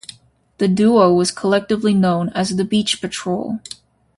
The duo was collectively known as The Beach Patrol.